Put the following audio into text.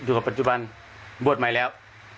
อยู่กับปัจจุบันบวชใหม่แล้ว